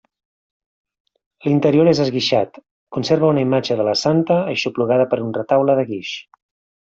L'interior és enguixat; conserva una imatge de la santa, aixoplugada per un retaule de guix.